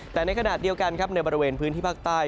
แต่ในขณะเดียวกันครับในบริเวณพื้นที่ภาคใต้